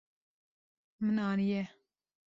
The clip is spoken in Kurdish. Min aniye.